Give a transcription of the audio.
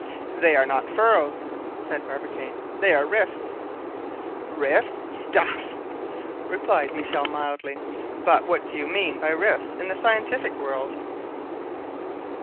"They are not furrows," said Barbicane; "they are rifts." "Rifts? stuff!" replied Michel mildly; "but what do you mean by 'rifts' in the scientific world?"